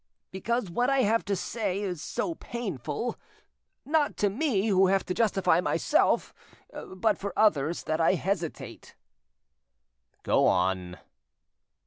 "Because what I have to say is so painful—not to me, who have to justify myself, but for others, that I hesitate." "Go on."